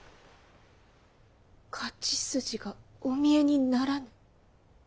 勝ち筋がお見えにならぬ。